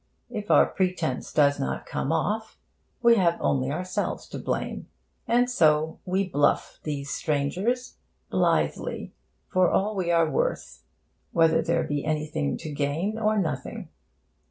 If our pretence do not come off, we have only ourselves to blame. And so we 'bluff' these strangers, blithely, for all we are worth, whether there be anything to gain or nothing.